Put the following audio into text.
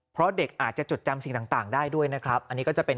เพราะเด็กอาจจะจดจำสิ่งต่างได้ด้วยนะครับอันนี้ก็จะเป็น